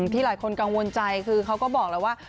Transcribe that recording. ที่หลายคนกังวลใจคือเขาก็บอกแล้วว่า